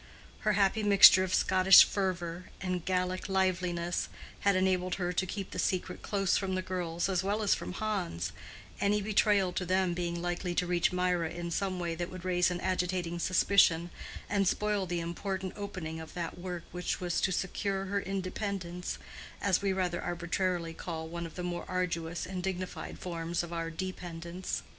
Her happy mixture of Scottish fervor and Gaelic liveliness had enabled her to keep the secret close from the girls as well as from Hans, any betrayal to them being likely to reach Mirah in some way that would raise an agitating suspicion, and spoil the important opening of that work which was to secure her independence, as we rather arbitrarily call one of the more arduous and dignified forms of our dependence.